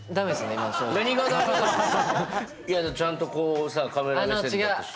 いやちゃんとこうさカメラ目線だったし。